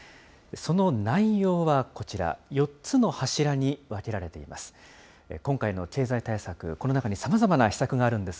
その内容はこちら、４つの柱に分けられています。